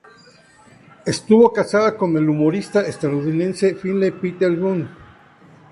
Estuvo casada con el humorista estadounidense Finley Peter Dunne.